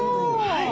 はい。